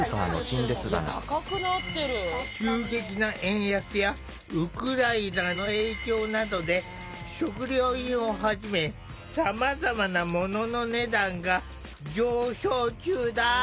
急激な円安やウクライナの影響などで食料品をはじめさまざまな物の値段が上昇中だ。